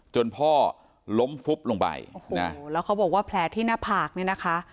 จนพ่อล้มฟุบลงไปโอ้โหแล้วเขาบอกว่าแผลที่หน้าผากเนี่ยนะคะ